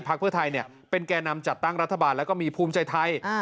เพื่อไทยเป็นแก่นำจัดตั้งรัฐบาลแล้วก็มีภูมิใจไทย